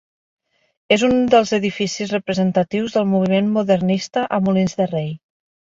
És un dels edificis representatius del moviment modernista a Molins de Rei.